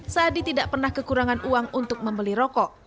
saadi tidak pernah kekurangan uang untuk membeli rokok